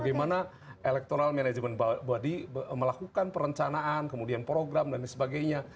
di mana elektoral manajemen melakukan perencanaan kemudian program dan lain sebagainya